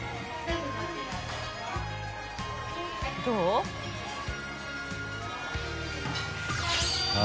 どう？